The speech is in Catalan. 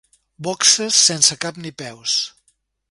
Boxes sense cap ni peus.